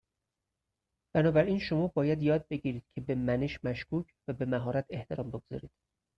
بنابراین شما باید یاد بگیرید که به منش مشکوک و به مهارت احترام بگذارید.